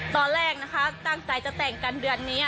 ตอนแรกนะคะตั้งใจจะแต่งกันเดือนนี้